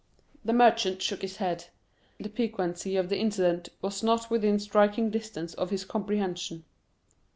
The Merchant shook his head; the piquancy of the incident was not within striking distance of his comprehension.